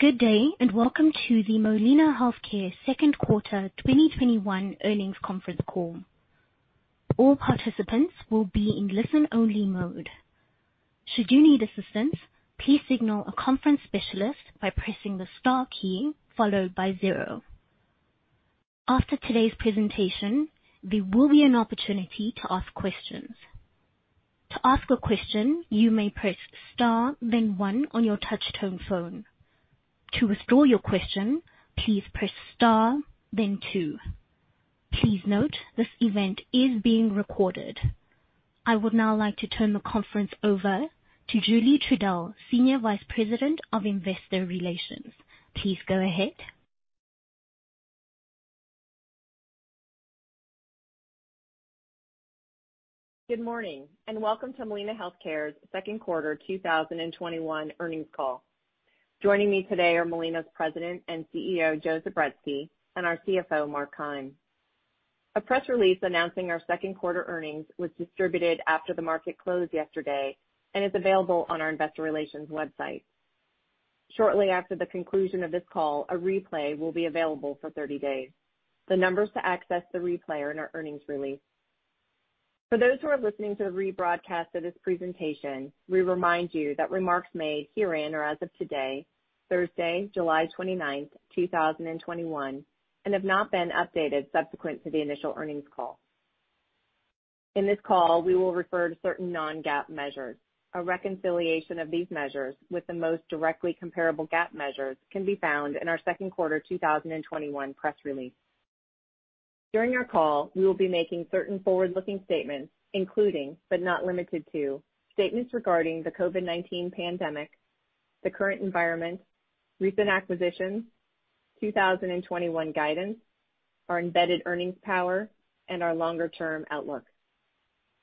Good day, and welcome to the Molina Healthcare second quarter 2021 earnings conference call. I would now like to turn the conference over to Julie Trudell, Senior Vice President of Investor Relations. Please go ahead. Good morning, and welcome to Molina Healthcare's second quarter 2021 earnings call. Joining me today are Molina's President and CEO, Joe Zubretsky, and our CFO, Mark Keim. A press release announcing our second quarter earnings was distributed after the market closed yesterday and is available on our investor relations website. Shortly after the conclusion of this call, a replay will be available for 30 days. The numbers to access the replay are in our earnings release. For those who are listening to the rebroadcast of this presentation, we remind you that remarks made herein are as of today, Thursday, July 29th, 2021, and have not been updated subsequent to the initial earnings call. In this call, we will refer to certain non-GAAP measures. A reconciliation of these measures with the most directly comparable GAAP measures can be found in our second quarter 2021 press release. During our call, we will be making certain forward-looking statements, including, but not limited to, statements regarding the COVID-19 pandemic, the current environment, recent acquisitions, 2021 guidance, our embedded earnings power, and our longer-term outlook.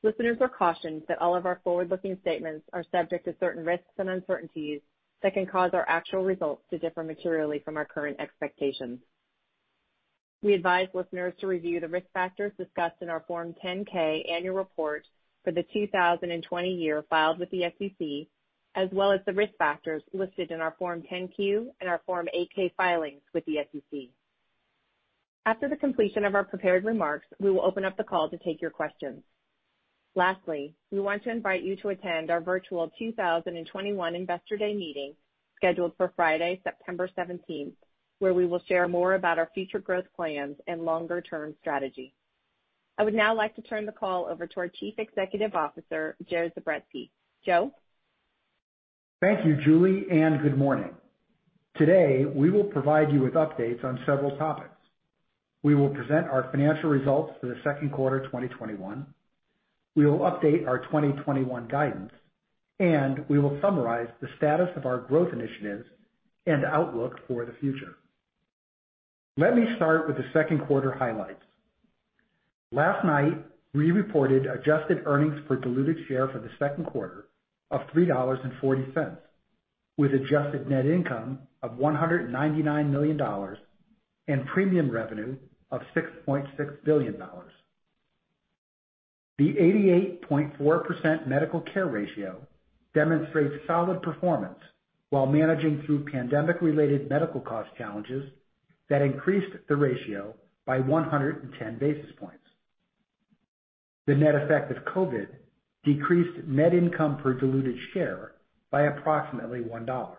Listeners are cautioned that all of our forward-looking statements are subject to certain risks and uncertainties that can cause our actual results to differ materially from our current expectations. We advise listeners to review the risk factors discussed in our Form 10-K annual report for the 2020 year filed with the SEC, as well as the risk factors listed in our Form 10-Q and our Form 8-K filings with the SEC. After the completion of our prepared remarks, we will open up the call to take your questions. Lastly, we want to invite you to attend our virtual 2021 Investor Day meeting, scheduled for Friday, September 17th, where we will share more about our future growth plans and longer-term strategy. I would now like to turn the call over to our Chief Executive Officer, Joe Zubretsky. Joe? Thank you, Julie, and good morning. Today, we will provide you with updates on several topics. We will present our financial results for the second quarter 2021, we will update our 2021 guidance, and we will summarize the status of our growth initiatives and outlook for the future. Let me start with the second quarter highlights. Last night, we reported adjusted earnings per diluted share for the second quarter of $3.40, with adjusted net income of $199 million and premium revenue of $6.6 billion. The 88.4% medical care ratio demonstrates solid performance while managing through pandemic-related medical cost challenges that increased the ratio by 110 basis points. The net effect of COVID decreased net income per diluted share by approximately $1.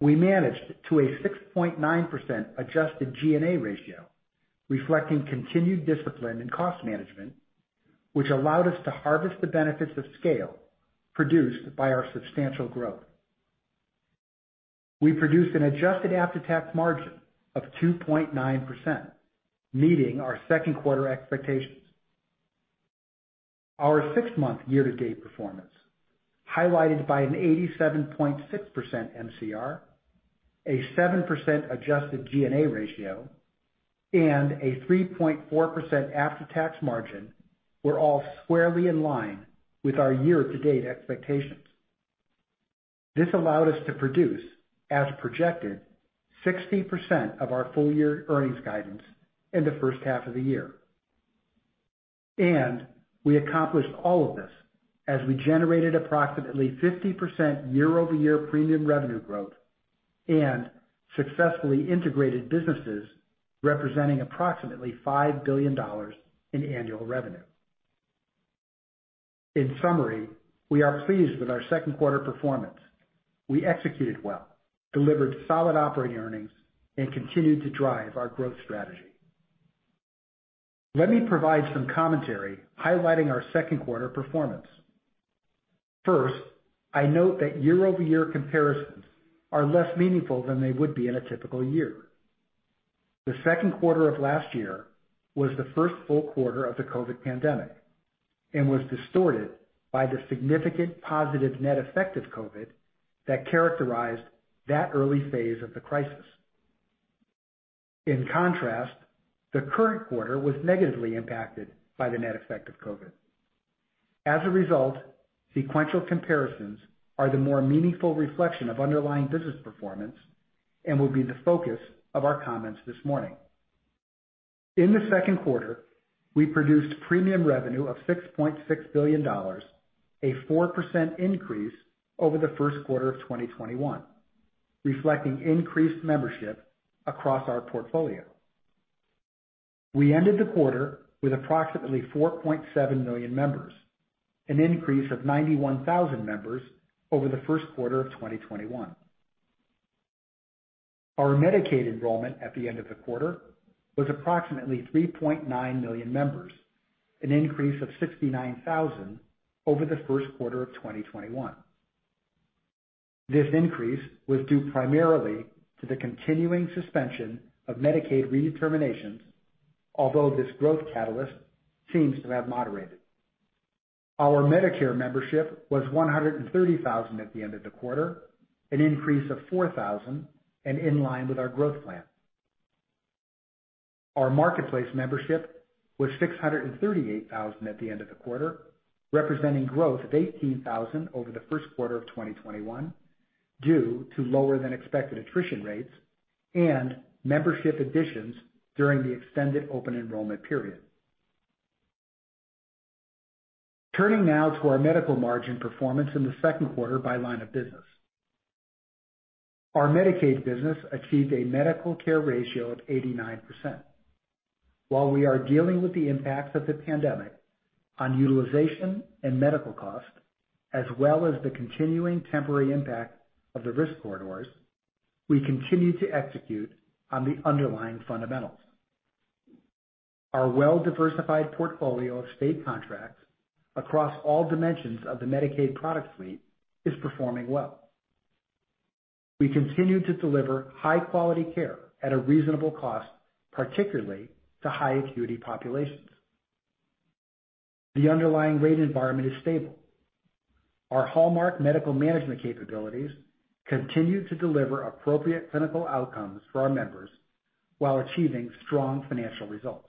We managed to a 6.9% adjusted G&A ratio, reflecting continued discipline and cost management, which allowed us to harvest the benefits of scale produced by our substantial growth. We produced an adjusted after-tax margin of 2.9%, meeting our second quarter expectations. Our six-month year-to-date performance, highlighted by an 87.6% MCR, a 7% adjusted G&A ratio, and a 3.4% after-tax margin, were all squarely in line with our year-to-date expectations. This allowed us to produce, as projected, 60% of our full-year earnings guidance in the first half of the year. We accomplished all of this as we generated approximately 50% year-over-year premium revenue growth and successfully integrated businesses representing approximately $5 billion in annual revenue. In summary, we are pleased with our second quarter performance. We executed well, delivered solid operating earnings, and continued to drive our growth strategy. Let me provide some commentary highlighting our second quarter performance. First, I note that year-over-year comparisons are less meaningful than they would be in a typical year. The second quarter of last year was the first full quarter of the COVID-19 pandemic and was distorted by the significant positive net effect of COVID-19 that characterized that early phase of the crisis. In contrast, the current quarter was negatively impacted by the net effect of COVID-19. As a result, sequential comparisons are the more meaningful reflection of underlying business performance and will be the focus of our comments this morning. In the second quarter, we produced premium revenue of $6.6 billion, a 4% increase over the first quarter of 2021, reflecting increased membership across our portfolio. We ended the quarter with approximately 4.7 million members, an increase of 91,000 members over the first quarter of 2021. Our Medicaid enrollment at the end of the quarter was approximately 3.9 million members, an increase of 69,000 over the first quarter of 2021. This increase was due primarily to the continuing suspension of Medicaid redeterminations, although this growth catalyst seems to have moderated. Our Medicare membership was 130,000 at the end of the quarter, an increase of 4,000, and in line with our growth plan. Our Marketplace membership was 638,000 at the end of the quarter, representing growth of 18,000 over the first quarter of 2021, due to lower than expected attrition rates and membership additions during the extended open enrollment period. Turning now to our medical margin performance in the second quarter by line of business. Our Medicaid business achieved a medical care ratio of 89%. While we are dealing with the impacts of the pandemic on utilization and medical cost, as well as the continuing temporary impact of the risk corridors, we continue to execute on the underlying fundamentals. Our well-diversified portfolio of state contracts across all dimensions of the Medicaid product suite is performing well. We continue to deliver high-quality care at a reasonable cost, particularly to high acuity populations. The underlying rate environment is stable. Our hallmark medical management capabilities continue to deliver appropriate clinical outcomes for our members while achieving strong financial results.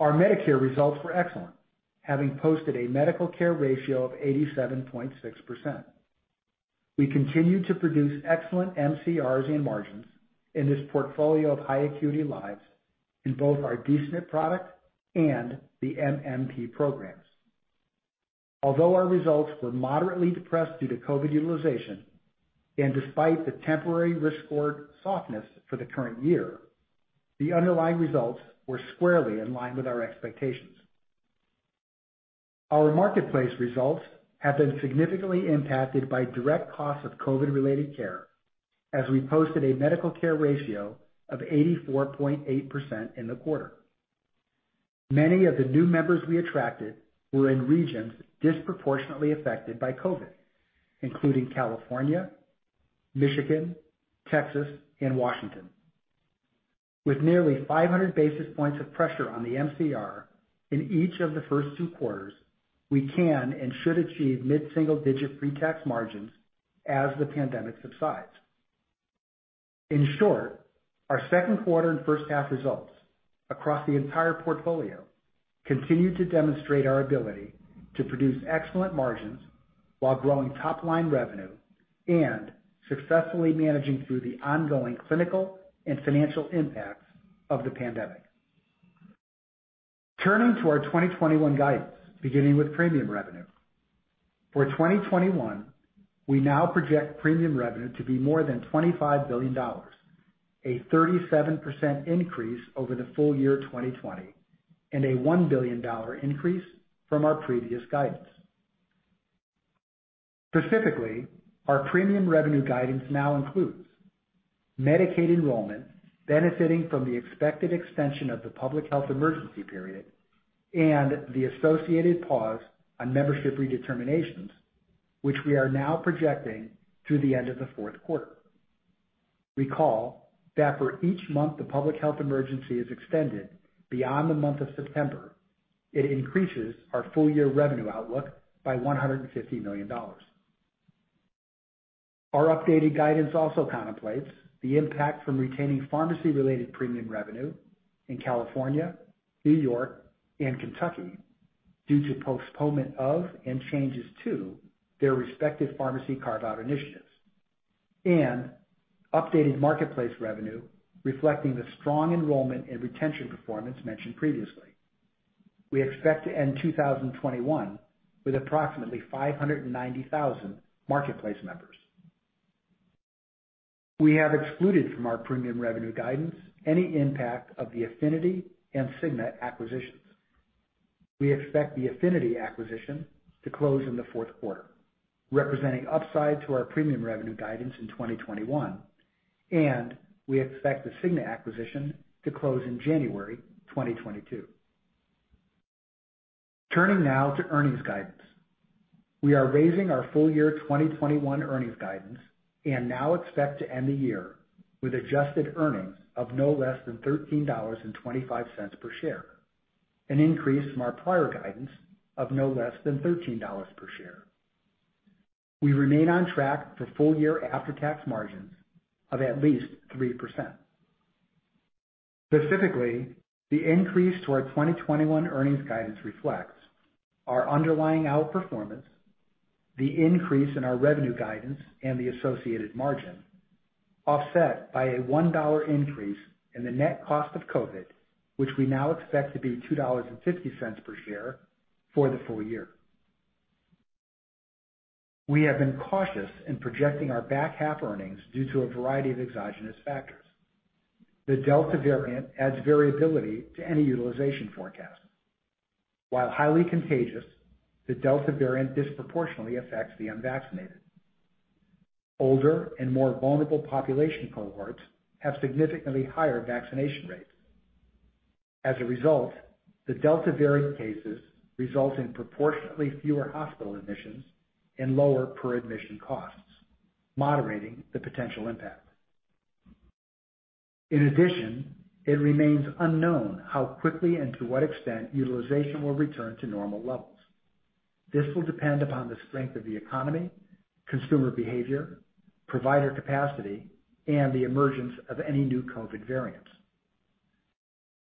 Our Medicare results were excellent, having posted a medical care ratio of 87.6%. We continue to produce excellent MCRs and margins in this portfolio of high acuity lives in both our D-SNP product and the MMP programs. Although our results were moderately depressed due to COVID utilization, and despite the temporary risk score softness for the current year, the underlying results were squarely in line with our expectations. Our marketplace results have been significantly impacted by direct costs of COVID-related care, as we posted a medical care ratio of 84.8% in the quarter. Many of the new members we attracted were in regions disproportionately affected by COVID, including California, Michigan, Texas, and Washington. With nearly 500 basis points of pressure on the MCR in each of the first two quarters, we can and should achieve mid-single-digit pre-tax margins as the pandemic subsides. In short, our second quarter and first half results across the entire portfolio continue to demonstrate our ability to produce excellent margins while growing top-line revenue, and successfully managing through the ongoing clinical and financial impacts of the pandemic. Turning to our 2021 guidance, beginning with premium revenue. For 2021, we now project premium revenue to be more than $25 billion, a 37% increase over the full-year 2020, and a $1 billion increase from our previous guidance. Specifically, our premium revenue guidance now includes Medicaid enrollment benefiting from the expected extension of the public health emergency period and the associated pause on membership redeterminations, which we are now projecting through the end of the fourth quarter. Recall that for each month the public health emergency is extended beyond the month of September, it increases our full-year revenue outlook by $150 million. Our updated guidance also contemplates the impact from retaining pharmacy-related premium revenue in California, New York, and Kentucky due to postponement of and changes to their respective pharmacy carve-out initiatives, and updated marketplace revenue reflecting the strong enrollment and retention performance mentioned previously. We expect to end 2021 with approximately 590,000 marketplace members. We have excluded from our premium revenue guidance any impact of the Affinity and Cigna acquisitions. We expect the Affinity acquisition to close in the fourth quarter, representing upside to our premium revenue guidance in 2021, and we expect the Cigna acquisition to close in January 2022. Turning now to earnings guidance. We are raising our full-year 2021 earnings guidance and now expect to end the year with adjusted earnings of no less than $13.25 per share, an increase from our prior guidance of no less than $13 per share. We remain on track for full-year after-tax margins of at least 3%. Specifically, the increase to our 2021 earnings guidance reflects our underlying outperformance, the increase in our revenue guidance and the associated margin, offset by a $1 increase in the net cost of COVID, which we now expect to be $2.50 per share for the full-year. We have been cautious in projecting our back half earnings due to a variety of exogenous factors. The Delta variant adds variability to any utilization forecast. While highly contagious, the Delta variant disproportionately affects the unvaccinated. Older and more vulnerable population cohorts have significantly higher vaccination rates. As a result, the Delta variant cases result in proportionately fewer hospital admissions and lower per admission costs, moderating the potential impact. In addition, it remains unknown how quickly and to what extent utilization will return to normal levels. This will depend upon the strength of the economy, consumer behavior, provider capacity, and the emergence of any new COVID variants.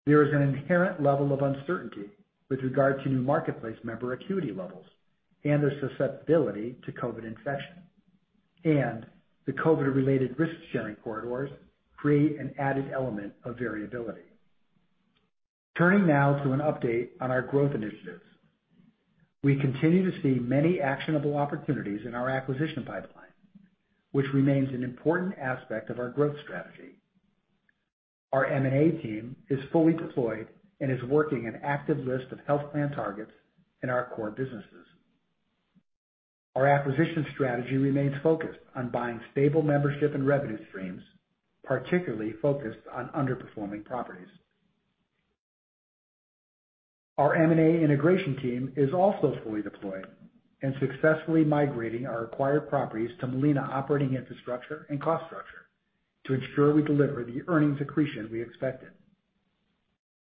There is an inherent level of uncertainty with regard to new Marketplace member acuity levels and their susceptibility to COVID infection. The COVID-related risk-sharing corridors create an added element of variability. Turning now to an update on our growth initiatives. We continue to see many actionable opportunities in our acquisition pipeline, which remains an important aspect of our growth strategy. Our M&A team is fully deployed and is working an active list of health plan targets in our core businesses. Our acquisition strategy remains focused on buying stable membership and revenue streams, particularly focused on underperforming properties. Our M&A integration team is also fully deployed and successfully migrating our acquired properties to Molina operating infrastructure and cost structure to ensure we deliver the earnings accretion we expected.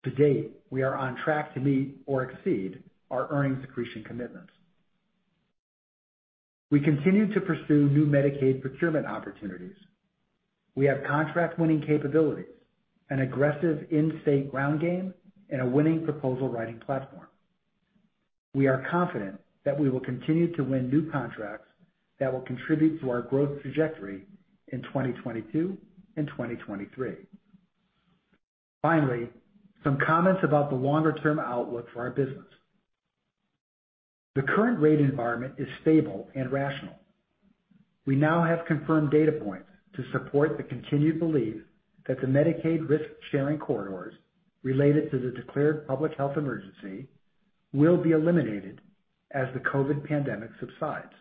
To date, we are on track to meet or exceed our earnings accretion commitments. We continue to pursue new Medicaid procurement opportunities. We have contract-winning capabilities, an aggressive in-state ground game, and a winning proposal writing platform. We are confident that we will continue to win new contracts that will contribute to our growth trajectory in 2022 and 2023. Finally, some comments about the longer-term outlook for our business. The current rate environment is stable and rational. We now have confirmed data points to support the continued belief that the Medicaid risk-sharing corridors related to the declared public health emergency will be eliminated as the COVID pandemic subsides.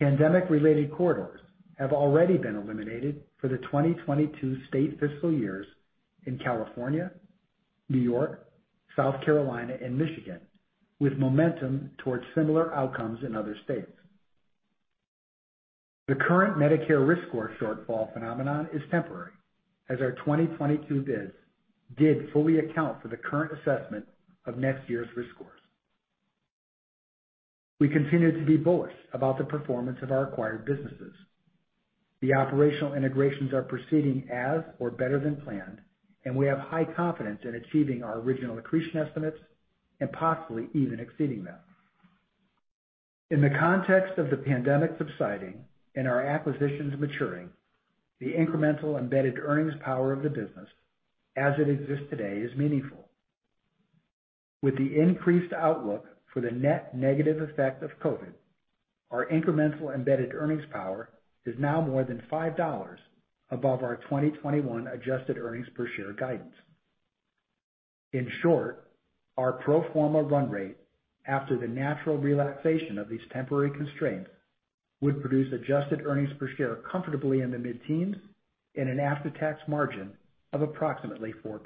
Pandemic-related corridors have already been eliminated for the 2022 state fiscal years in California, New York, South Carolina, and Michigan, with momentum towards similar outcomes in other states. The current Medicare risk score shortfall phenomenon is temporary, as our 2022 bids did fully account for the current assessment of next year's risk scores. We continue to be bullish about the performance of our acquired businesses. The operational integrations are proceeding as or better than planned, and we have high confidence in achieving our original accretion estimates and possibly even exceeding them. In the context of the pandemic subsiding and our acquisitions maturing, the incremental embedded earnings power of the business as it exists today is meaningful. With the increased outlook for the net negative effect of COVID-19, our incremental embedded earnings power is now more than $5 above our 2021 adjusted earnings per share guidance. In short, our pro forma run rate after the natural relaxation of these temporary constraints would produce adjusted earnings per share comfortably in the mid-teens and an after-tax margin of approximately 4%.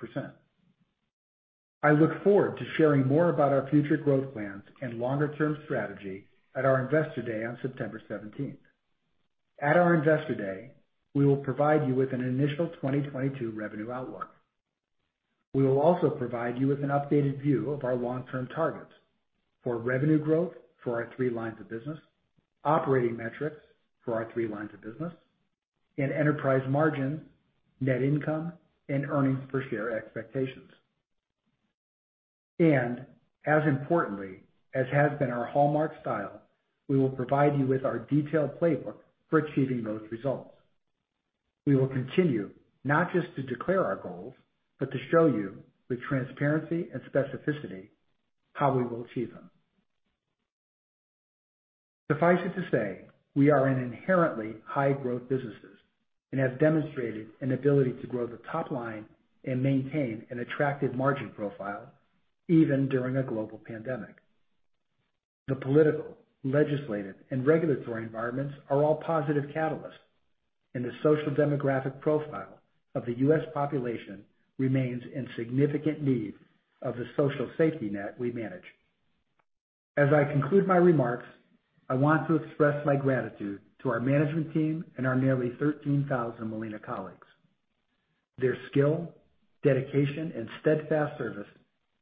I look forward to sharing more about our future growth plans and longer-term strategy at our Investor Day on September 17th. At our Investor Day, we will provide you with an initial 2022 revenue outlook. We will also provide you with an updated view of our long-term targets for revenue growth for our three lines of business, operating metrics for our three lines of business, and enterprise margin, net income, and earnings per share expectations. As importantly, as has been our hallmark style, we will provide you with our detailed playbook for achieving those results. We will continue not just to declare our goals, but to show you with transparency and specificity how we will achieve them. Suffice it to say, we are an inherently high-growth business and have demonstrated an ability to grow the top line and maintain an attractive margin profile even during a global pandemic. The political, legislative, and regulatory environments are all positive catalysts, and the social demographic profile of the U.S. population remains in significant need of the social safety net we manage. As I conclude my remarks, I want to express my gratitude to our management team and our nearly 13,000 Molina colleagues. Their skill, dedication, and steadfast service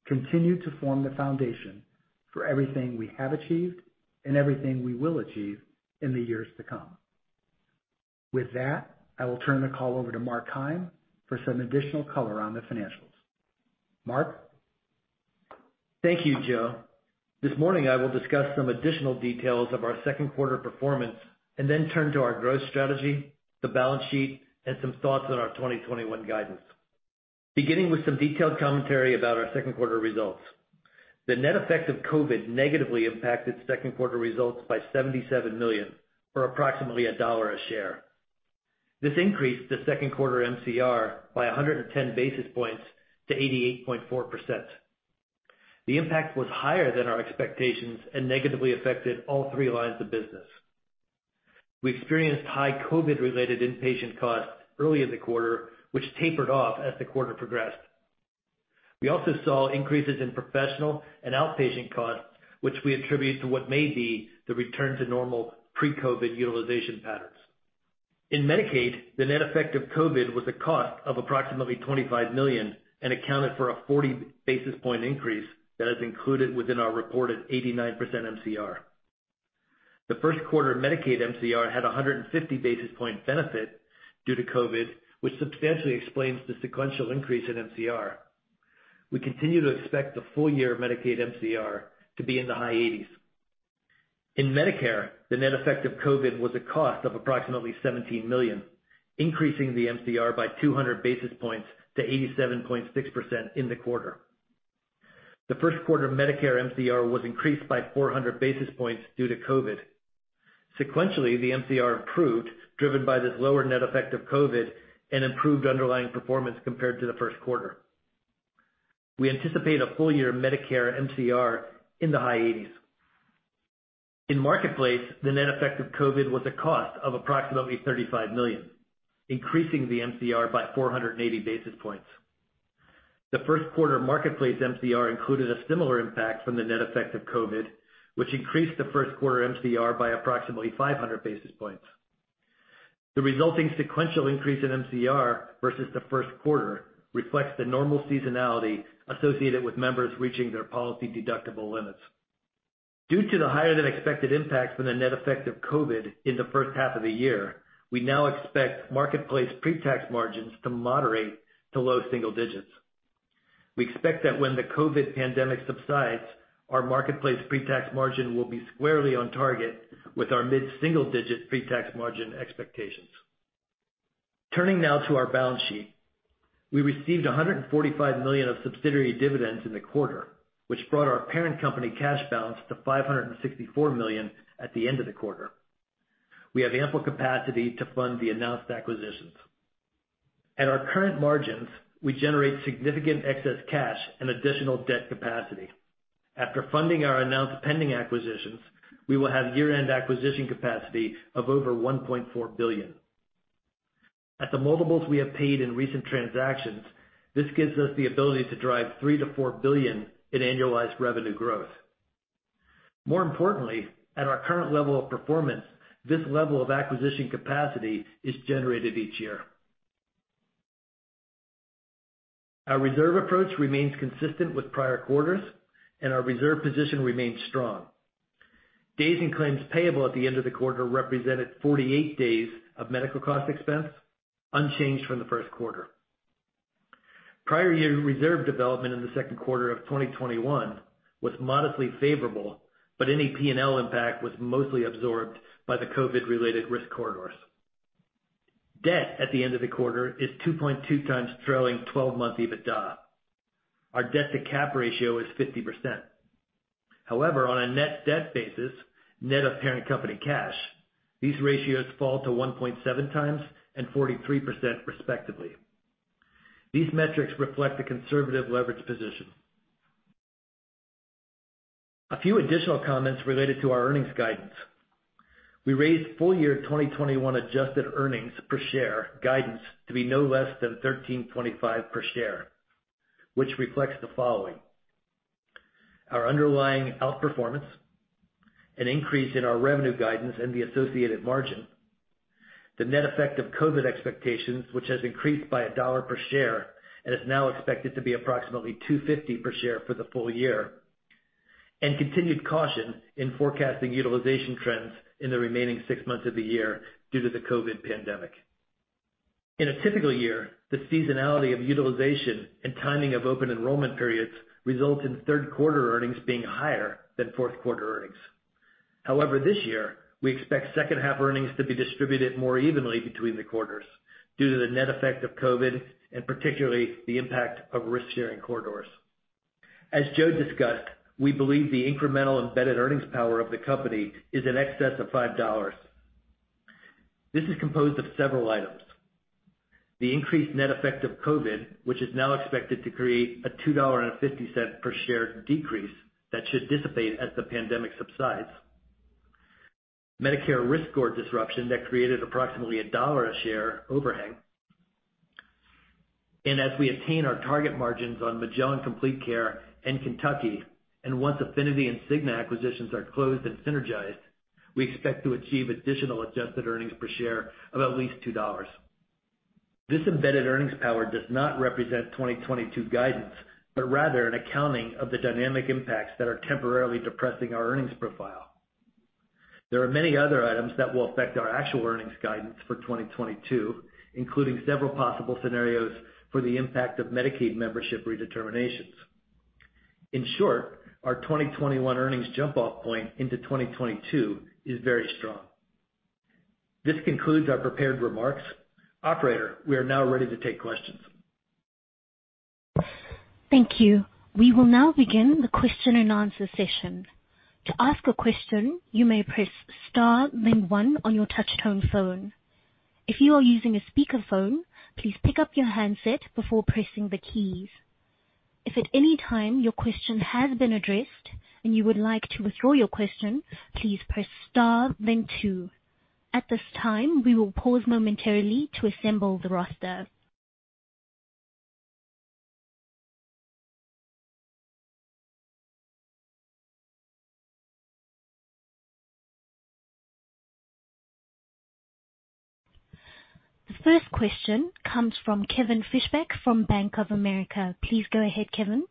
continue to form the foundation for everything we have achieved and everything we will achieve in the years to come. With that, I will turn the call over to Mark Keim for some additional color on the financials. Mark? Thank you, Joe. This morning, I will discuss some additional details of our second quarter performance and then turn to our growth strategy, the balance sheet, and some thoughts on our 2021 guidance. Beginning with some detailed commentary about our second quarter results. The net effect of COVID negatively impacted second quarter results by $77 million, or approximately $1 a share. This increased the second quarter MCR by 110 basis points to 88.4%. The impact was higher than our expectations and negatively affected all three lines of business. We experienced high COVID-related inpatient costs early in the quarter, which tapered off as the quarter progressed. We also saw increases in professional and outpatient costs, which we attribute to what may be the return to normal pre-COVID utilization patterns. In Medicaid, the net effect of COVID was a cost of approximately $25 million and accounted for a 40 basis point increase that is included within our reported 89% MCR. The first quarter Medicaid MCR had 150 basis point benefit due to COVID, which substantially explains the sequential increase in MCR. We continue to expect the full-year Medicaid MCR to be in the high 80%. In Medicare, the net effect of COVID was a cost of approximately $17 million, increasing the MCR by 200 basis points to 87.6% in the quarter. The first quarter Medicare MCR was increased by 400 basis points due to COVID. Sequentially, the MCR improved, driven by this lower net effect of COVID and improved underlying performance compared to the first quarter. We anticipate a full-year Medicare MCR in the high 80%. In Marketplace, the net effect of COVID was a cost of approximately $35 million, increasing the MCR by 480 basis points. The first quarter Marketplace MCR included a similar impact from the net effect of COVID, which increased the first quarter MCR by approximately 500 basis points. The resulting sequential increase in MCR versus the first quarter reflects the normal seasonality associated with members reaching their policy deductible limits. Due to the higher than expected impact from the net effect of COVID in the first half of the year, we now expect Marketplace pre-tax margins to moderate to low single digits. We expect that when the COVID pandemic subsides, our Marketplace pre-tax margin will be squarely on target with our mid-single digit pre-tax margin expectations. Turning now to our balance sheet. We received $145 million of subsidiary dividends in the quarter, which brought our parent company cash balance to $564 million at the end of the quarter. We have ample capacity to fund the announced acquisitions. At our current margins, we generate significant excess cash and additional debt capacity. After funding our announced pending acquisitions, we will have year-end acquisition capacity of over $1.4 billion. At the multiples we have paid in recent transactions, this gives us the ability to drive $3 billion-$4 billion in annualized revenue growth. More importantly, at our current level of performance, this level of acquisition capacity is generated each year. Our reserve approach remains consistent with prior quarters, and our reserve position remains strong. Days in claims payable at the end of the quarter represented 48 days of medical cost expense, unchanged from the first quarter. Prior year reserve development in the second quarter of 2021 was modestly favorable, but any P&L impact was mostly absorbed by the COVID-related risk corridors. Debt at the end of the quarter is 2.2x trailing 12-month EBITDA. Our debt-to-cap ratio is 50%. On a net debt basis, net of parent company cash, these ratios fall to 1.7x and 43%, respectively. These metrics reflect a conservative leverage position. A few additional comments related to our earnings guidance. We raised full-year 2021 adjusted earnings per share guidance to be no less than $13.25 per share, which reflects the following: Our underlying outperformance, an increase in our revenue guidance and the associated margin, the net effect of COVID expectations, which has increased by $1 per share and is now expected to be approximately $2.50 per share for the full-year, and continued caution in forecasting utilization trends in the remaining six months of the year due to the COVID pandemic. In a typical year, the seasonality of utilization and timing of open enrollment periods result in third quarter earnings being higher than fourth quarter earnings. However, this year, we expect second half earnings to be distributed more evenly between the quarters due to the net effect of COVID, and particularly the impact of risk-sharing corridors. As Joe discussed, we believe the incremental embedded earnings power of the company is in excess of $5. This is composed of several items. The increased net effect of COVID-19, which is now expected to create a $2.50 per share decrease that should dissipate as the pandemic subsides, Medicare risk score disruption that created approximately a $1 a share overhang. As we attain our target margins on Magellan Complete Care and Kentucky, and once Affinity and Cigna acquisitions are closed and synergized, we expect to achieve additional adjusted earnings per share of at least $2. This embedded earnings power does not represent 2022 guidance, but rather an accounting of the dynamic impacts that are temporarily depressing our earnings profile. There are many other items that will affect our actual earnings guidance for 2022, including several possible scenarios for the impact of Medicaid membership redeterminations. In short, our 2021 earnings jump-off point into 2022 is very strong. This concludes our prepared remarks. Operator, we are now ready to take questions. Thank you. We will now begin the question-and-answer session. The first question comes from Kevin Fischbeck from Bank of America. Please go ahead, Kevin.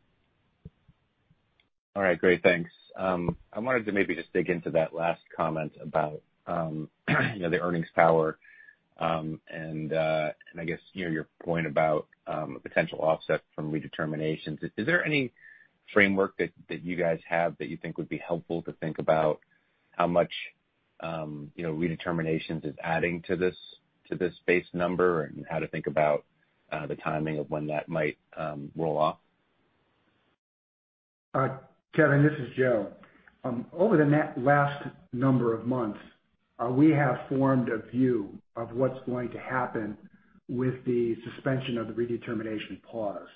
All right. Great, thanks. I wanted to maybe just dig into that last comment about the earnings power, and I guess your point about potential offset from redeterminations. Is there any framework that you guys have that you think would be helpful to think about how much redeterminations is adding to this base number, and how to think about the timing of when that might roll off? Kevin, this is Joe. Over the last number of months, we have formed a view of what's going to happen with the suspension of the redetermination pause.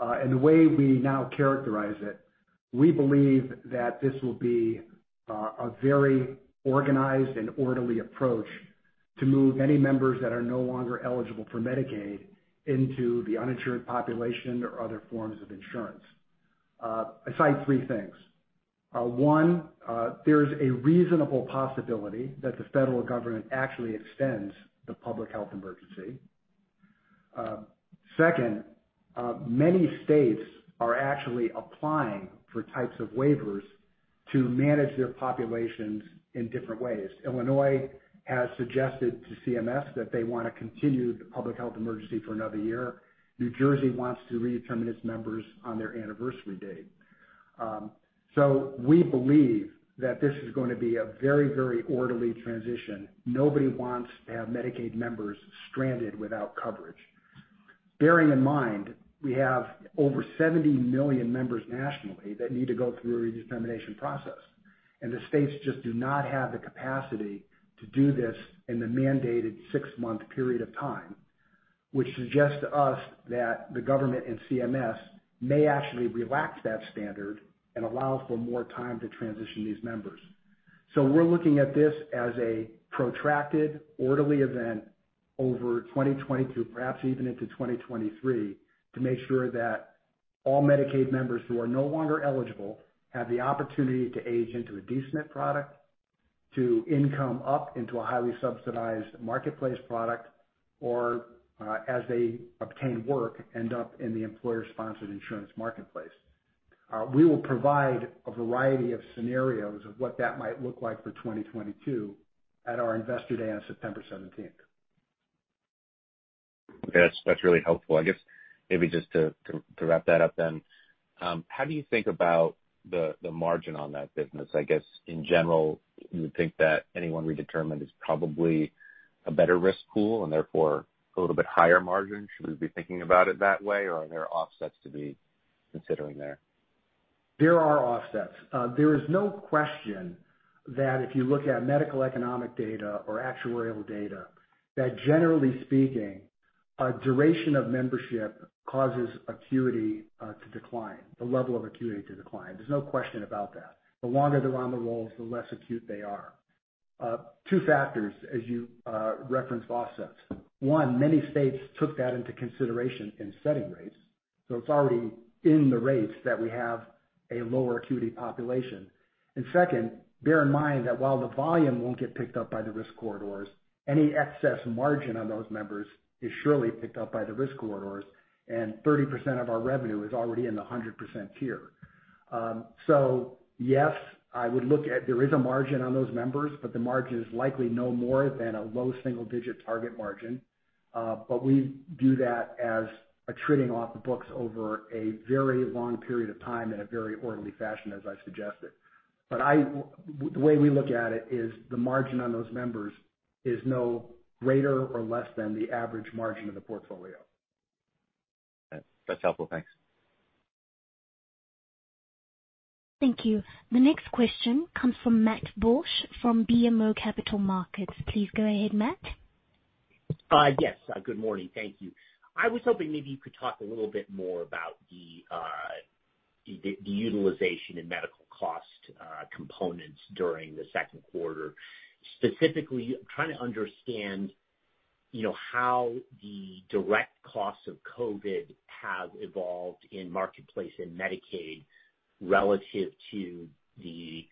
The way we now characterize it, we believe that this will be a very organized and orderly approach to move any members that are no longer eligible for Medicaid into the uninsured population or other forms of insurance. I cite three things. One, there is a reasonable possibility that the federal government actually extends the public health emergency. Second, many states are actually applying for types of waivers to manage their populations in different ways. Illinois has suggested to CMS that they want to continue the public health emergency for another year. New Jersey wants to redetermine its members on their anniversary date. We believe that this is going to be a very orderly transition. Nobody wants to have Medicaid members stranded without coverage. Bearing in mind, we have over 70 million members nationally that need to go through a redetermination process. The states just do not have the capacity to do this in the mandated six-month period of time, which suggests to us that the government and CMS may actually relax that standard and allow for more time to transition these members. We're looking at this as a protracted, orderly event over 2022, perhaps even into 2023, to make sure that all Medicaid members who are no longer eligible have the opportunity to age into a D-SNP product, to income up into a highly subsidized marketplace product, or, as they obtain work, end up in the employer-sponsored insurance marketplace. We will provide a variety of scenarios of what that might look like for 2022 at our Investor Day on September 17th. Okay, that's really helpful. I guess maybe just to wrap that up then, how do you think about the margin on that business? I guess, in general, you would think that anyone redetermined is probably a better risk pool and therefore a little bit higher margin. Should we be thinking about it that way, or are there offsets to be considering there? There are offsets. There is no question that if you look at medical economic data or actuarial data, that generally speaking, duration of membership causes acuity to decline, the level of acuity to decline. There's no question about that. The longer they're on the rolls, the less acute they are. Two factors as you reference offsets. One, many states took that into consideration in setting rates, so it's already in the rates that we have a lower acuity population. Second, bear in mind that while the volume won't get picked up by the risk corridors, any excess margin on those members is surely picked up by the risk corridors, and 30% of our revenue is already in the 100% tier. Yes, I would look at there is a margin on those members, but the margin is likely no more than a low single-digit target margin. We view that as attriting off the books over a very long period of time in a very orderly fashion, as I suggested. The way we look at it is the margin on those members is no greater or less than the average margin of the portfolio. That's helpful. Thanks. Thank you. The next question comes from Matt Borsch from BMO Capital Markets. Please go ahead, Matt. Yes. Good morning, thank you. I was hoping maybe you could talk a little bit more about the utilization and medical cost components during the second quarter. Specifically, I'm trying to understand how the direct costs of COVID have evolved in Marketplace and Medicaid relative to the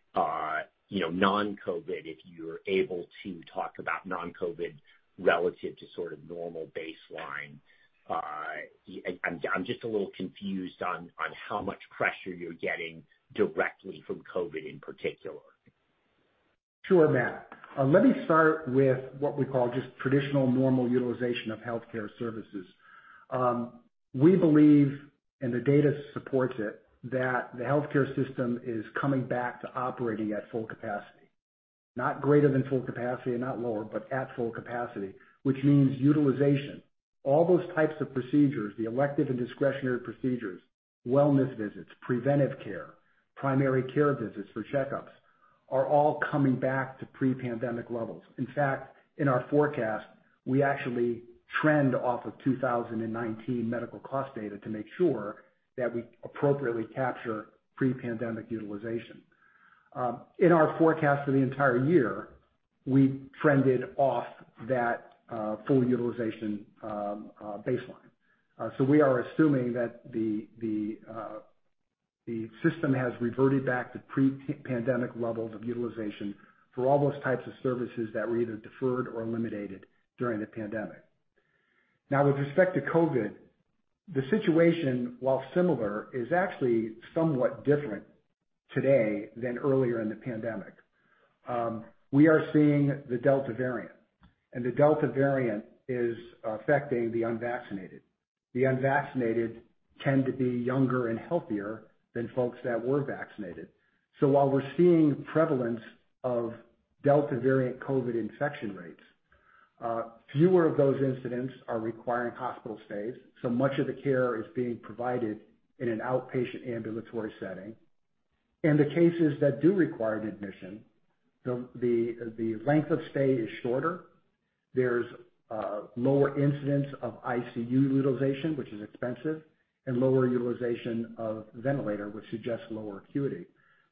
non-COVID, if you're able to talk about non-COVID relative to sort of normal baseline. I'm just a little confused on how much pressure you're getting directly from COVID in particular? Matt, let me start with what we call just traditional normal utilization of healthcare services. We believe, and the data supports it, that the healthcare system is coming back to operating at full capacity. Not greater than full capacity and not lower, but at full capacity, which means utilization. All those types of procedures, the elective and discretionary procedures, wellness visits, preventive care, primary care visits for checkups, are all coming back to pre-pandemic levels. In fact, in our forecast, we actually trend off of 2019 medical cost data to make sure that we appropriately capture pre-pandemic utilization. In our forecast for the entire year, we trended off that full utilization baseline. We are assuming that the system has reverted back to pre-pandemic levels of utilization for all those types of services that were either deferred or eliminated during the pandemic. Now with respect to COVID, the situation, while similar, is actually somewhat different today than earlier in the pandemic. We are seeing the Delta variant, and the Delta variant is affecting the unvaccinated. The unvaccinated tend to be younger and healthier than folks that were vaccinated. While we're seeing prevalence of Delta variant COVID infection rates, fewer of those incidents are requiring hospital stays. Much of the care is being provided in an outpatient ambulatory setting. In the cases that do require an admission, the length of stay is shorter. There's a lower incidence of ICU utilization, which is expensive, and lower utilization of ventilator, which suggests lower acuity.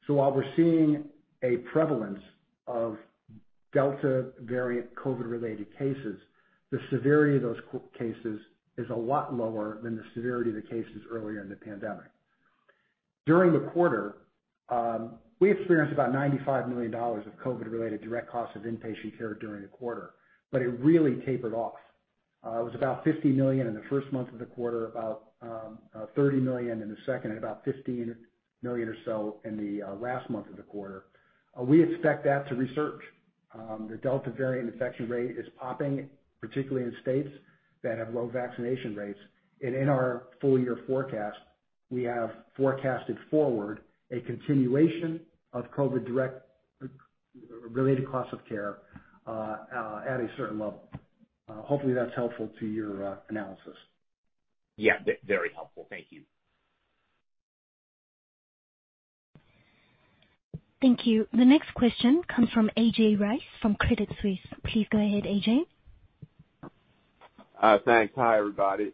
While we're seeing a prevalence of Delta variant COVID-related cases, the severity of those cases is a lot lower than the severity of the cases earlier in the pandemic. During the quarter, we experienced about $95 million of COVID-related direct costs of inpatient care during the quarter, but it really tapered off. It was about $50 million in the first month of the quarter, about $30 million in the second, and about $15 million or so in the last month of the quarter. We expect that to resurge. The Delta variant infection rate is popping, particularly in states that have low vaccination rates. In our full-year forecast, we have forecasted forward a continuation of COVID direct related cost of care at a certain level. Hopefully that's helpful to your analysis. Yeah, very helpful. Thank you. Thank you. The next question comes from A.J. Rice from Credit Suisse. Please go ahead, A.J. Thanks. Hi, everybody.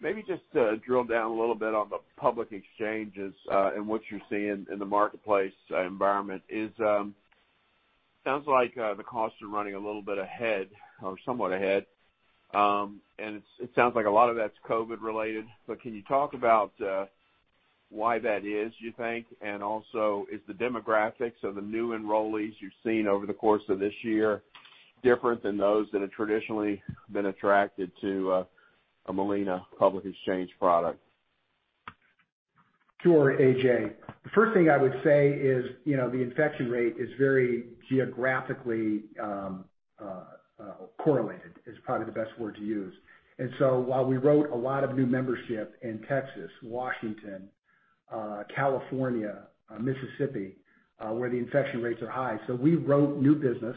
Maybe just to drill down a little bit on the public exchanges, and what you're seeing in the Marketplace environment is, sounds like the costs are running a little bit ahead or somewhat ahead. It sounds like a lot of that's COVID related, but can you talk about why that is, you think? Also, is the demographics of the new enrollees you've seen over the course of this year different than those that have traditionally been attracted to a Molina public exchange product? Sure, A.J. The first thing I would say is the infection rate is very geographically correlated, is probably the best word to use. While we wrote a lot of new membership in Texas, Washington, California, Mississippi, where the infection rates are high, we wrote new business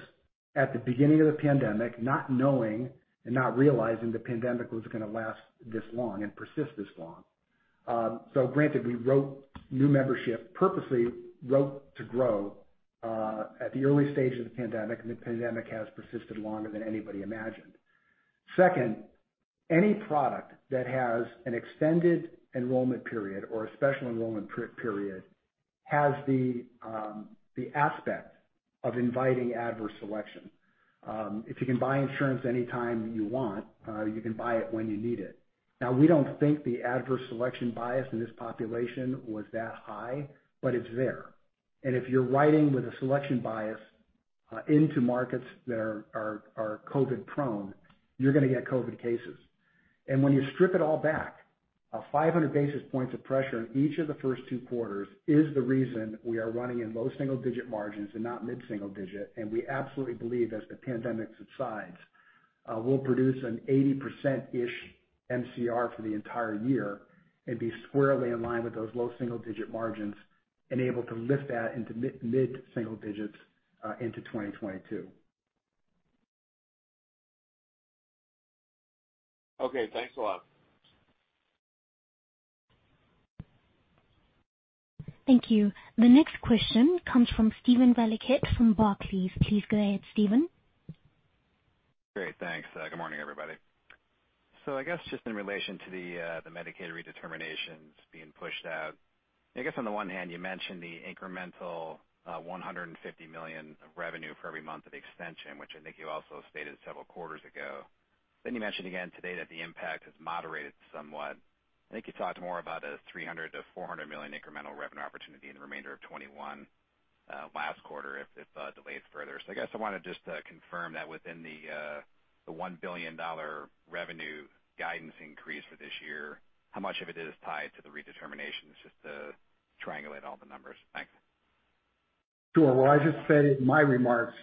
at the beginning of the pandemic, not knowing and not realizing the pandemic was going to last this long and persist this long. Granted, we wrote new membership, purposely wrote to grow, at the early stage of the pandemic, and the pandemic has persisted longer than anybody imagined. Second, any product that has an extended enrollment period or a special enrollment period has the aspect of inviting adverse selection. If you can buy insurance anytime you want, you can buy it when you need it. Now, we don't think the adverse selection bias in this population was that high, but it's there. If you're writing with a selection bias into markets that are COVID prone, you're going to get COVID cases. When you strip it all back, 500 basis points of pressure in each of the first two quarters is the reason we are running in low single-digit margins and not mid single-digit. We absolutely believe as the pandemic subsides, we'll produce an 80%-ish MCR for the entire year and be squarely in line with those low single-digit margins and able to lift that into mid single digits into 2022. Okay, thanks a lot. Thank you. The next question comes from Steven Valiquette from Barclays. Please go ahead, Steven. Great, thanks. Good morning, everybody. I guess just in relation to the Medicaid redeterminations being pushed out. I guess on the one hand, you mentioned the incremental, $150 million of revenue for every month of extension, which I think you also stated several quarters ago. You mentioned again today that the impact has moderated somewhat. I think you talked more about a $300 million-$400 million incremental revenue opportunity in the remainder of 2021 last quarter, if delayed further. I guess I want to just confirm that within the $1 billion revenue guidance increase for this year, how much of it is tied to the redeterminations, just to triangulate all the numbers. Thanks. Sure. Well, I just said in my remarks,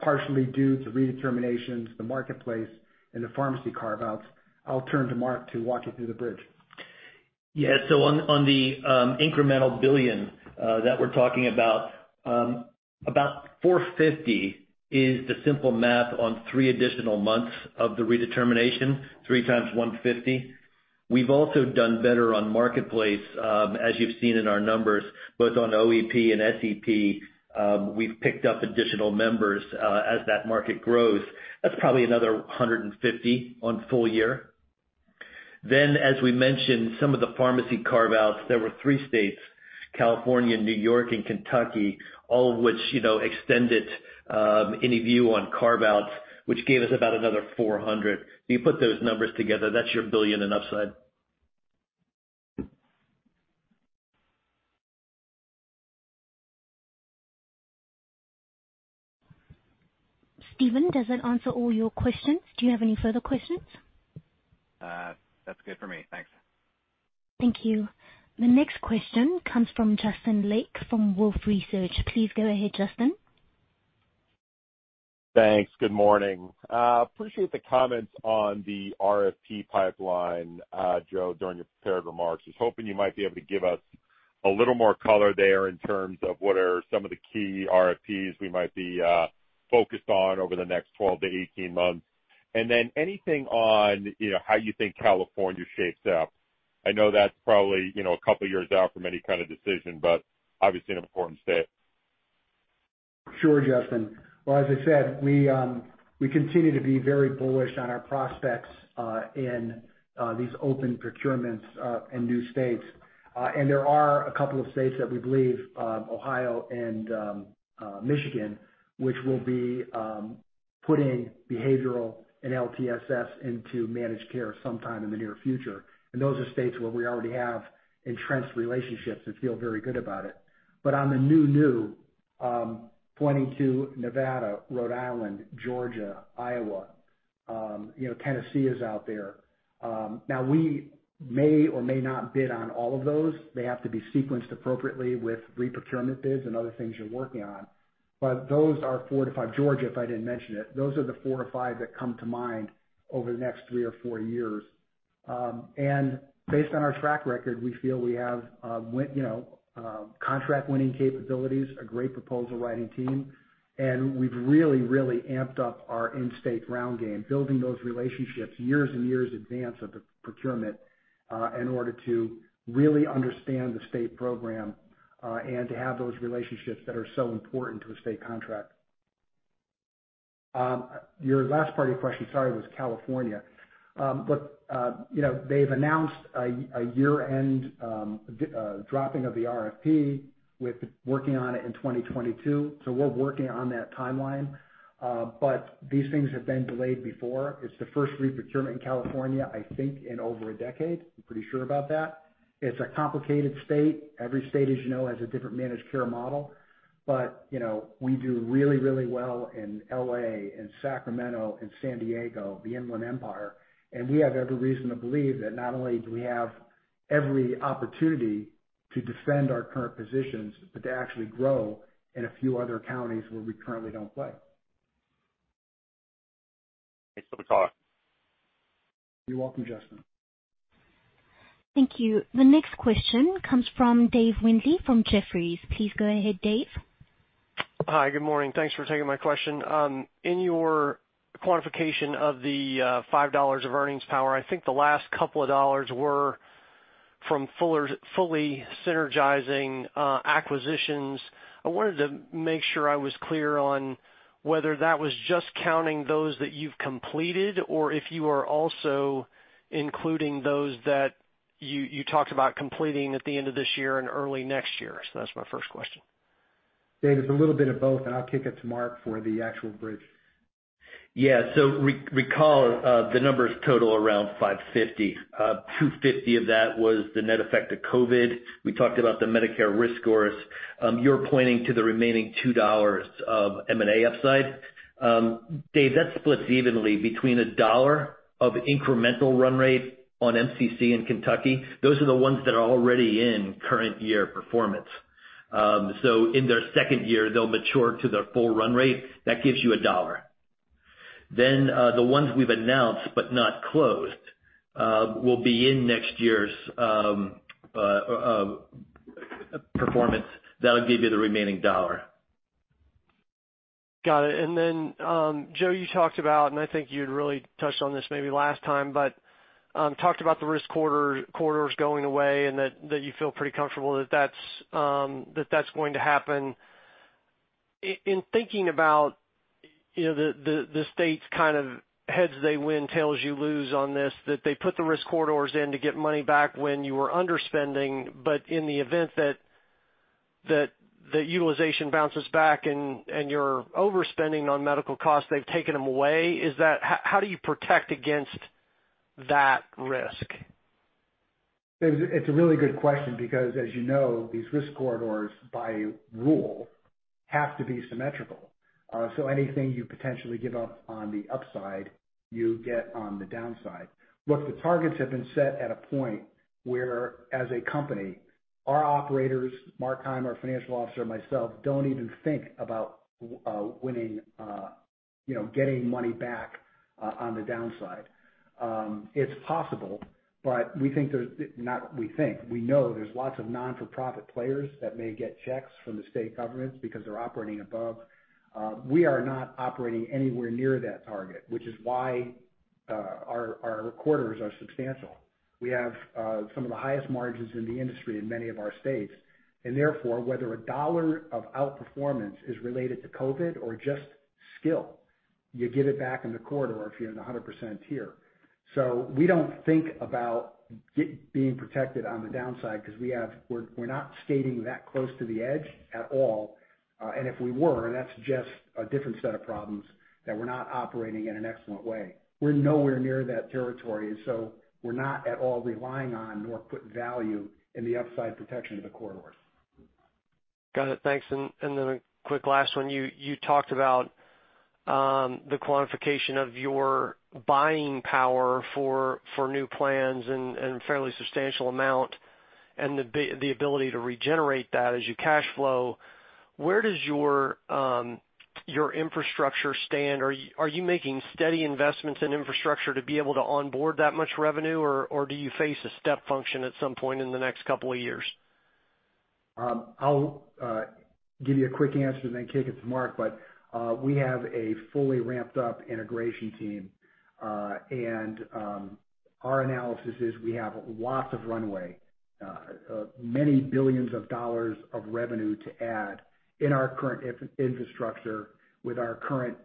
partially due to redeterminations, the marketplace, and the pharmacy carve-outs. I'll turn to Mark to walk you through the bridge. Yeah. On the incremental $1 billion that we're talking about $450 is the simple math on three additional months of the redetermination, three times $150. We've also done better on Marketplace, as you've seen in our numbers, both on OEP and SEP. We've picked up additional members as that market grows. That's probably another $150 on full-year. As we mentioned, some of the pharmacy carve-outs, there were three states, California, New York and Kentucky, all of which extended any view on carve-outs, which gave us about another $400. You put those numbers together, that's your $1 billion in upside. Steven, does that answer all your questions? Do you have any further questions? That's good for me. Thanks. Thank you. The next question comes from Justin Lake from Wolfe Research. Please go ahead, Justin. Thanks, good morning. Appreciate the comments on the RFP pipeline, Joe, during your prepared remarks. I was hoping you might be able to give us a little more color there in terms of what are some of the key RFPs we might be focused on over the next 12-18 months. Anything on how you think California shapes up. I know that's probably a couple years out from any kind of decision, obviously an important state. Sure, Justin. Well, as I said, we continue to be very bullish on our prospects in these open procurements, in new states. There are a couple states that we believe, Ohio and Michigan, which will be putting behavioral and LTSS into managed care sometime in the near future. Those are states where we already have entrenched relationships and feel very good about it. On the new, pointing to Nevada, Rhode Island, Georgia, Iowa, Tennessee is out there. Now, we may or may not bid on all of those. They have to be sequenced appropriately with re-procurement bids and other things you're working on. Those are four to five. Georgia, if I didn't mention it. Those are the four to five that come to mind over the next three or four years. Based on our track record, we feel we have contract winning capabilities, a great proposal writing team, and we've really amped up our in-state ground game, building those relationships years in advance of the procurement, in order to really understand the state program, and to have those relationships that are so important to a state contract. Your last part of your question, sorry, was California. They've announced a year-end dropping of the RFP with working on it in 2022. We're working on that timeline. These things have been delayed before. It's the first re-procurement in California, I think, in over a decade. I'm pretty sure about that, it's a complicated state. Every state, as you know, has a different managed care model. We do really well in L.A., in Sacramento, in San Diego, the Inland Empire, and we have every reason to believe that not only do we have every opportunity to defend our current positions, but to actually grow in a few other counties where we currently don't play. Thanks for the talk. You're welcome, Justin. Thank you. The next question comes from Dave Windley from Jefferies. Please go ahead, Dave. Hi. Good morning, thanks for taking my question. In your quantification of the $5 of earnings power, I think the last couple of dollars were from fully synergizing acquisitions. I wanted to make sure I was clear on whether that was just counting those that you've completed, or if you are also including those that you talked about completing at the end of this year and early next year. That's my first question. Dave, it's a little bit of both, and I'll kick it to Mark for the actual bridge. Yeah. Recall, the numbers total around $550. $250 of that was the net effect of COVID-19. We talked about the Medicare risk scores. You're pointing to the remaining $2 of M&A upside. Dave, that splits evenly between a $1 of incremental run rate on MCC in Kentucky. Those are the ones that are already in current year performance. In their second year, they'll mature to their full run rate. That gives you $1. The ones we've announced but not closed, will be in next year's performance. That'll give you the remaining $1. Got it. Joe, you talked about, and I think you had really touched on this maybe last time, but talked about the risk corridors going away and that you feel pretty comfortable that that's going to happen in thinking about the state's kind of heads they win, tails you lose on this, that they put the risk corridors in to get money back when you were underspending, but in the event that utilization bounces back and you're overspending on medical costs, they've taken them away. How do you protect against that risk? It's a really good question because as you know, these risk corridors by rule have to be symmetrical. Anything you potentially give up on the upside, you get on the downside. Look, the targets have been set at a point where, as a company, our operators, Mark Keim, our Chief Financial Officer, and myself, don't even think about getting money back on the downside. It's possible, but we know there's lots of not-for-profit players that may get checks from the state governments because they're operating above. We are not operating anywhere near that target, which is why our quarters are substantial. We have some of the highest margins in the industry in many of our states, and therefore, whether $1 of outperformance is related to COVID-19 or just skill, you get it back in the corridor if you're in the 100% tier. We don't think about being protected on the downside because we're not skating that close to the edge at all. If we were, that suggests a different set of problems that we're not operating in an excellent way. We're nowhere near that territory. We're not at all relying on nor putting value in the upside protection of the corridors. Got it, thanks. A quick last one, you talked about the quantification of your buying power for new plans and a fairly substantial amount, and the ability to regenerate that as you cash flow. Where does your infrastructure stand? Are you making steady investments in infrastructure to be able to onboard that much revenue, or do you face a step function at some point in the next couple of years? I'll give you a quick answer, then kick it to Mark. We have a fully ramped-up integration team. Our analysis is we have lots of runway, many billions of dollars of revenue to add in our current infrastructure with our current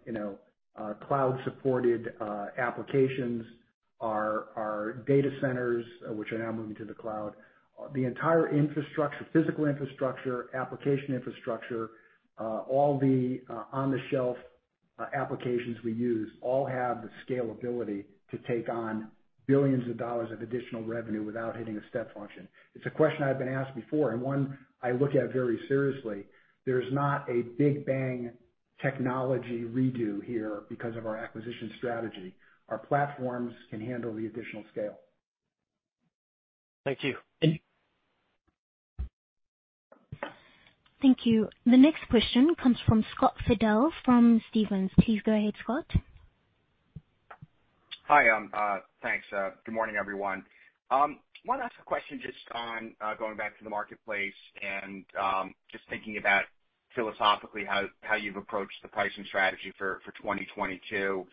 cloud-supported applications, our data centers, which are now moving to the cloud. The entire physical infrastructure, application infrastructure, all the on-the-shelf applications we use all have the scalability to take on billions of dollars of additional revenue without hitting a step function. It's a question I've been asked before, and one I look at very seriously. There's not a big bang technology redo here because of our acquisition strategy. Our platforms can handle the additional scale. Thank you. Thank you. The next question comes from Scott Fidel from Stephens. Please go ahead, Scott. Hi. Thanks. Good morning, everyone. I want to ask a question just on going back to the marketplace, and just thinking about philosophically, how you've approached the pricing strategy for 2022.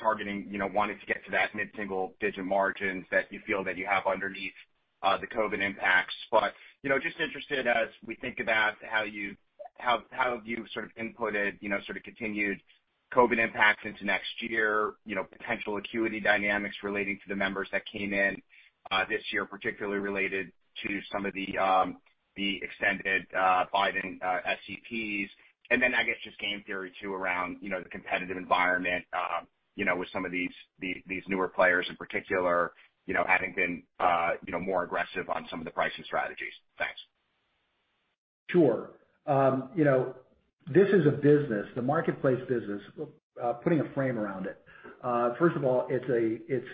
Targeting, wanting to get to that mid-single-digit margins that you feel that you have underneath the COVID impacts. Just interested as we think about how you've sort of inputted continued COVID impacts into next year, potential acuity dynamics relating to the members that came in this year, particularly related to some of the extended Biden SEPs. I guess, just game theory too, around the competitive environment with some of these newer players in particular, having been more aggressive on some of the pricing strategies. Thanks. Sure. This is a business, the marketplace business, putting a frame around it. First of all, it's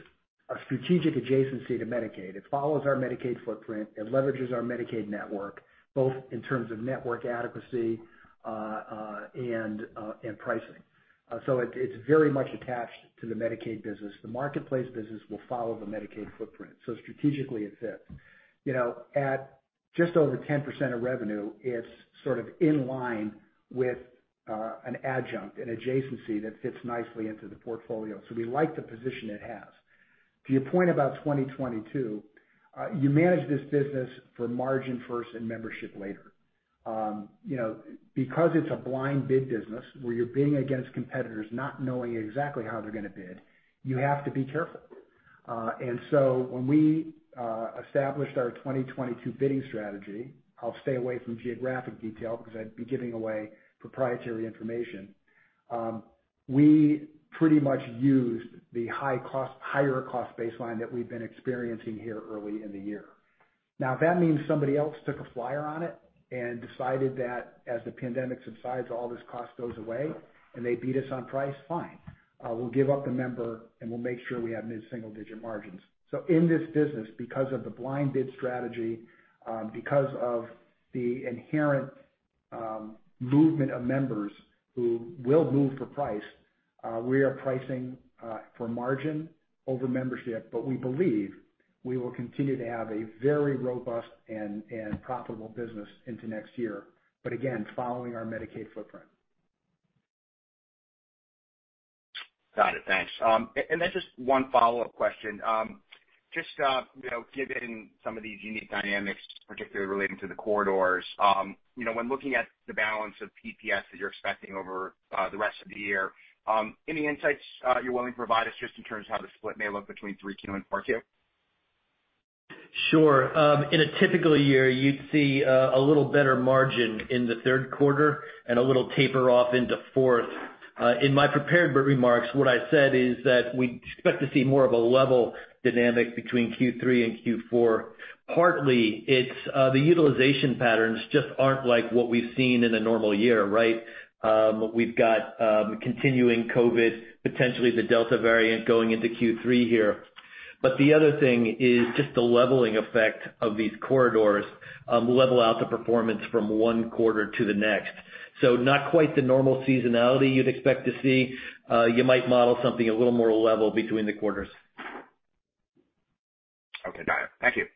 a strategic adjacency to Medicaid. It follows our Medicaid footprint. It leverages our Medicaid network, both in terms of network adequacy and pricing. It's very much attached to the Medicaid business. The marketplace business will follow the Medicaid footprint. Strategically, it fits. At just over 10% of revenue, it's sort of in line with an adjunct, an adjacency that fits nicely into the portfolio. We like the position it has. To your point about 2022, you manage this business for margin first and membership later. Because it's a blind bid business where you're bidding against competitors not knowing exactly how they're going to bid, you have to be careful. When we established our 2022 bidding strategy, I'll stay away from geographic detail because I'd be giving away proprietary information, we pretty much used the higher cost baseline that we've been experiencing here early in the year. If that means somebody else took a flyer on it and decided that as the pandemic subsides, all this cost goes away, and they beat us on price, fine. We'll give up the member, and we'll make sure we have mid-single digit margins. In this business, because of the blind bid strategy, because of the inherent movement of members who will move for price, we are pricing for margin over membership. We believe we will continue to have a very robust and profitable business into next year. Again, following our Medicaid footprint. Got it, thanks. Just one follow-up question. Just given some of these unique dynamics, particularly relating to the corridors, when looking at the balance of PPS that you're expecting over the rest of the year, any insights you're willing to provide us just in terms of how the split may look between Q3 and Q4? Sure. In a typical year, you'd see a little better margin in the third quarter and a little taper off into fourth. In my prepared remarks, what I said is that we expect to see more of a level dynamic between Q3 and Q4. Partly, it's the utilization patterns just aren't like what we've seen in a normal year, right? We've got continuing COVID-19, potentially the Delta variant going into Q3 here. The other thing is just the leveling effect of these corridors level out the performance from one quarter to the next. Not quite the normal seasonality you'd expect to see. You might model something a little more level between the quarters. Okay, got it. Thank you.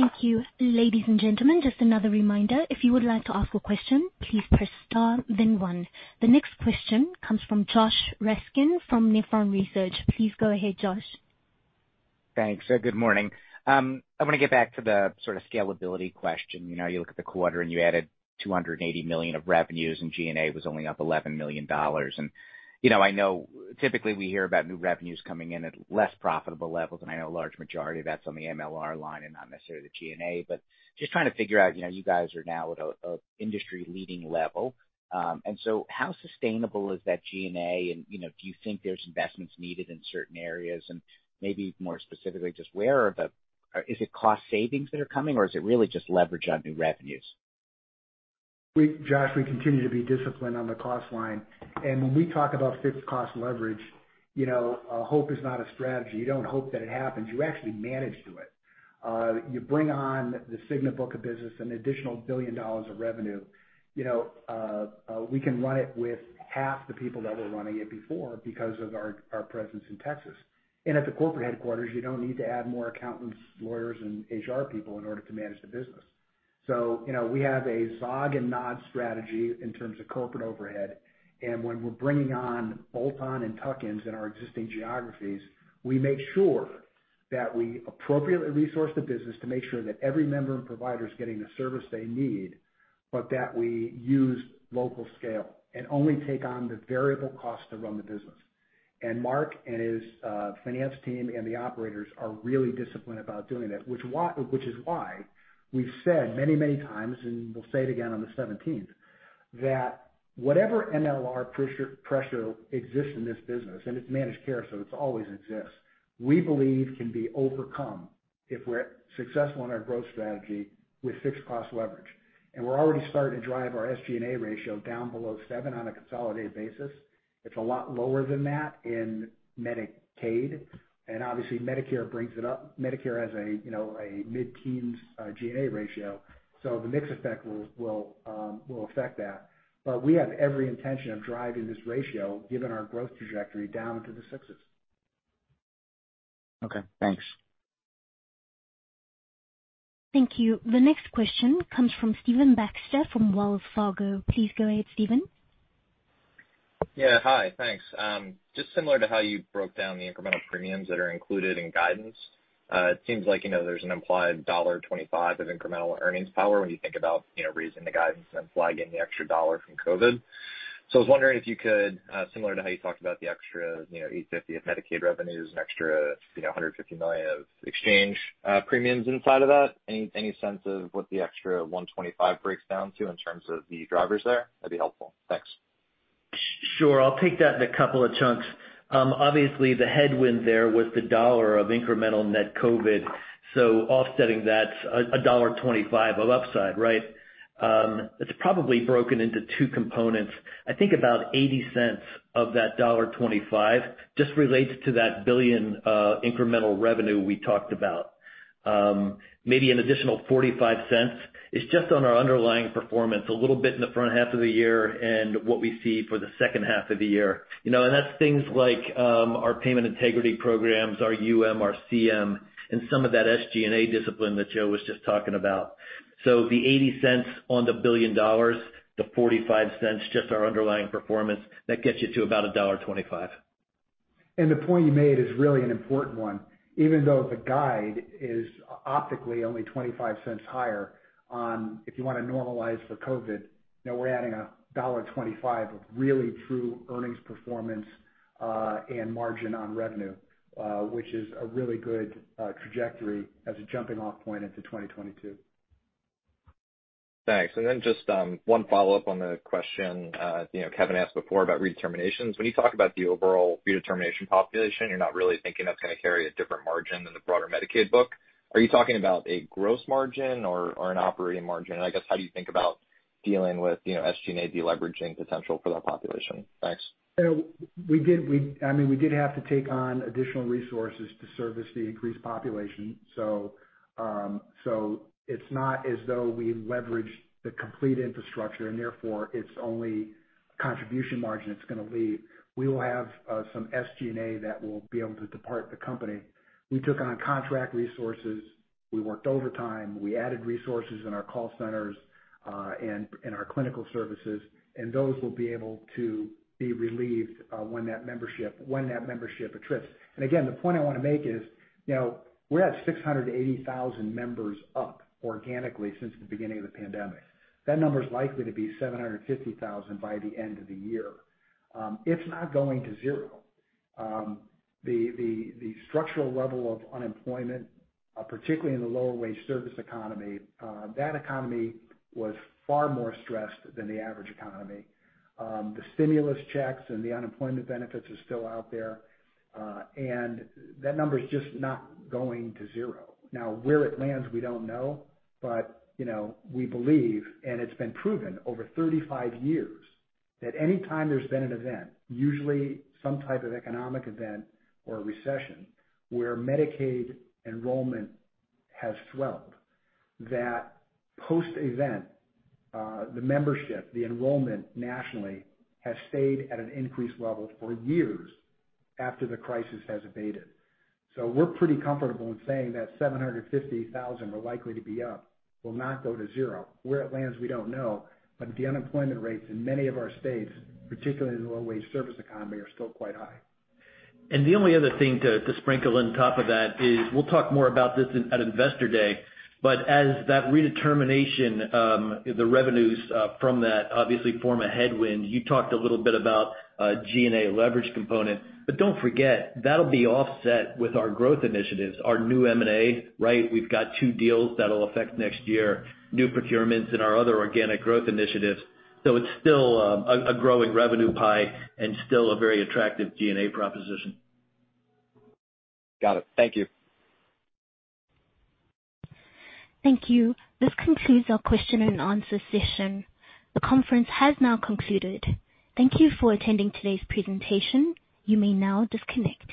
Thank you. Ladies and gentlemen, just another reminder, if you would like to ask a question, please press star then one. The next question comes from Josh Raskin from Nephron Research. Please go ahead, Josh. Thanks. Good morning. I want to get back to the sort of scalability question. You look at the quarter, and you added $280 million of revenues, and G&A was only up $11 million. I know typically we hear about new revenues coming in at less profitable levels, I know a large majority of that's on the MLR line and not necessarily the G&A. Just trying to figure out, you guys are now at an industry-leading level. How sustainable is that G&A, and do you think there's investments needed in certain areas? Maybe more specifically, is it cost savings that are coming, or is it really just leverage on new revenues? Josh, we continue to be disciplined on the cost line. When we talk about fixed cost leverage, hope is not a strategy. You don't hope that it happens. You actually manage to it. You bring on the Cigna book of business, an additional $1 billion of revenue. We can run it with half the people that were running it before because of our presence in Texas. At the corporate headquarters, you don't need to add more accountants, lawyers, and HR people in order to manage the business. We have a zog and nod strategy in terms of corporate overhead, and when we're bringing on bolt-on and tuck-ins in our existing geographies, we make sure that we appropriately resource the business to make sure that every member and provider is getting the service they need, but that we use local scale and only take on the variable cost to run the business. Mark and his finance team and the operators are really disciplined about doing that. Which is why we've said many, many times, and we'll say it again on the 17th, that whatever MLR pressure exists in this business, and it's managed care, so it's always exists, we believe can be overcome if we're successful in our growth strategy with fixed cost leverage. We're already starting to drive our SG&A ratio down below 7% on a consolidated basis. It's a lot lower than that in Medicaid. Obviously Medicare brings it up. Medicare has a mid-teens G&A ratio. The mix effect will affect that. We have every intention of driving this ratio, given our growth trajectory, down into the 6%. Okay, thanks. Thank you. The next question comes from Stephen Baxter from Wells Fargo. Please go ahead, Stephen. Hi, thanks. Just similar to how you broke down the incremental premiums that are included in guidance, it seems like there's an implied $1.25 of incremental earnings power when you think about raising the guidance and then flagging the extra dollar from COVID. I was wondering if you could, similar to how you talked about the extra $850 of Medicaid revenues, an extra $150 million of exchange premiums inside of that, any sense of what the extra $125 breaks down to in terms of the drivers there? That'd be helpful. Thanks. Sure. I'll take that in a couple of chunks. Obviously, the headwind there was $1 of incremental net COVID-19. Offsetting that, $1.25 of upside, right? It's probably broken into two components. I think about $0.80 of that $1.25 just relates to that $1 billion incremental revenue we talked about. Maybe an additional $0.45 is just on our underlying performance a little bit in the front half of the year and what we see for the second half of the year. That's things like our payment integrity programs, our UM, our CM, and some of that SG&A discipline that Joe was just talking about. The $0.80 on the $1 billion, the $0.45, just our underlying performance, that gets you to about $1.25. The point you made is really an important one. Even though the guide is optically only $0.25 higher on if you want to normalize the COVID-19, we're adding a $1.25 of really true earnings performance, and margin on revenue, which is a really good trajectory as a jumping-off point into 2022. Thanks. Then just one follow-up on the question Kevin asked before about redeterminations. When you talk about the overall redetermination population, you're not really thinking that's going to carry a different margin than the broader Medicaid book. Are you talking about a gross margin or an operating margin? I guess, how do you think about dealing with SG&A de-leveraging potential for that population? Thanks. We did have to take on additional resources to service the increased population. It's not as though we leveraged the complete infrastructure, and therefore it's only contribution margin it's going to leave. We will have some SG&A that will be able to depart the company. We took on contract resources. We worked overtime, we added resources in our call centers and in our clinical services, and those will be able to be relieved when that membership attrites. Again, the point I want to make is, we're at 680,000 members up organically since the beginning of the pandemic. That number's likely to be 750,000 by the end of the year. It's not going to zero. The structural level of unemployment, particularly in the lower wage service economy, that economy was far more stressed than the average economy. The stimulus checks and the unemployment benefits are still out there. That number is just not going to zero. Now, where it lands, we don't know. We believe, and it's been proven over 35 years, that any time there's been an event, usually some type of economic event or a recession, where Medicaid enrollment has swelled, that post-event, the membership, the enrollment nationally, has stayed at an increased level for years after the crisis has abated. We're pretty comfortable in saying that 750,000 we're likely to be up will not go to zero. Where it lands, we don't know, but the unemployment rates in many of our states, particularly in the low-wage service economy, are still quite high. The only other thing to sprinkle on top of that is, we'll talk more about this at Investor Day, but as that redetermination, the revenues from that obviously form a headwind. You talked a little bit about G&A leverage component. Don't forget, that'll be offset with our growth initiatives, our new M&A, right? We've got two deals that'll affect next year, new procurements and our other organic growth initiatives. It's still a growing revenue pie and still a very attractive G&A proposition. Got it, thank you. Thank you. This concludes our question-and-answer session. The conference has now concluded. Thank you for attending today's presentation. You may now disconnect.